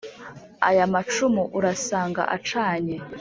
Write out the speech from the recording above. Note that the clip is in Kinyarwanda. aya macumu urasanga acanye